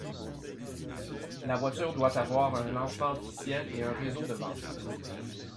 La voiture doit avoir un lancement officiel et un réseau de vente.